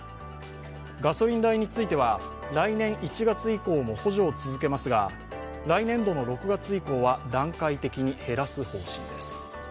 ガソリン代については来年１月以降も補助を続けますが、来年度の６月以降は段階的に減らす方針です。